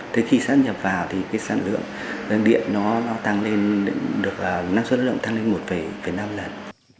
thế khi sắp nhập vào thì sản lượng điện nó tăng lên năng suất lao động tăng lên một năm lần